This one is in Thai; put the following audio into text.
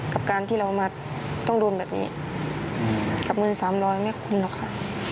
กับเงิน๓๐๐ไม่คุ้มหรอกค่ะ